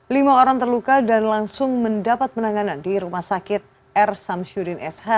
lima orang terluka dan langsung mendapat penanganan di rumah sakit r samsudin sh